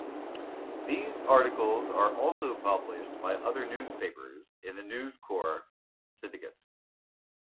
These articles are also published by other newspapers in the News Corp Syndicate.